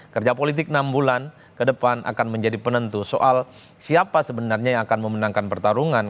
kerja politik enam bulan ke depan akan menjadi penentu soal siapa sebenarnya yang akan memenangkan pertarungan